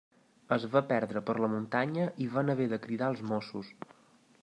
Es va perdre per la muntanya i van haver de cridar els Mossos.